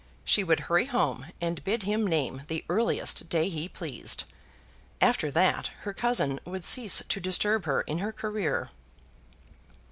She would hurry home and bid him name the earliest day he pleased. After that her cousin would cease to disturb her in her career.